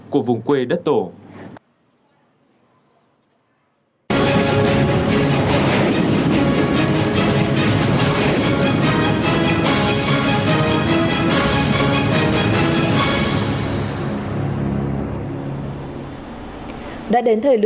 của vùng quê đất tổ